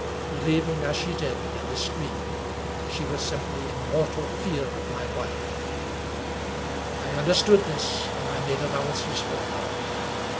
Believing as she did in this Dream, she was simply in mortal fear of my wife. I understood this, and I made allowances for her.